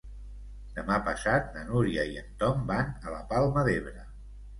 Demà passat na Núria i en Tom van a la Palma d'Ebre.